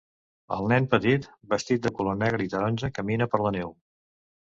El nen petit vestit de color negre i taronja camina per la neu.